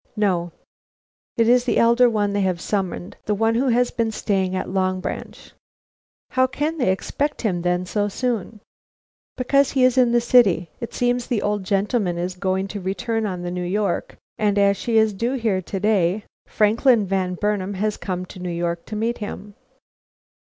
"No." "It is the elder one they have summoned; the one who has been staying at Long Branch." "How can they expect him then so soon?" "Because he is in the city. It seems the old gentleman is going to return on the New York, and as she is due here to day, Franklin Van Burnam has come to New York to meet him."